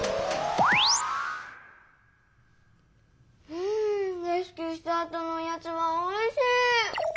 うんレスキューしたあとのおやつはおいし！